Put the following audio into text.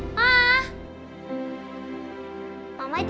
aku udah pulang nih